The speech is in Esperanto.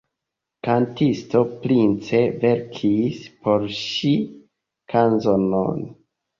Kantisto Prince verkis por ŝi kanzonon.